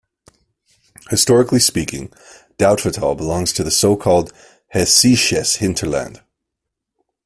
Historically speaking, Dautphetal belongs to the so-called "Hessisches Hinterland".